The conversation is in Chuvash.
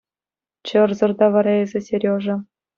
Чӑрсӑр та вара эсӗ, Сережа.